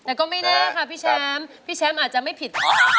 แต่ก็ไม่แน่ค่ะพี่แชมป์พี่แชมป์อาจจะไม่ผิด